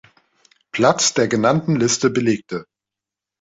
Platz der genannten Liste belegte.